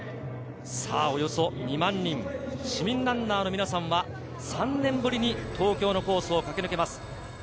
およそ２万人、市民ランナーの皆さんは３年ぶりに東京のコースを駆け抜けます。